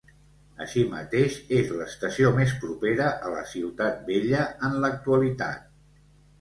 Així mateix és l'estació més propera a la Ciutat Vella en l'actualitat.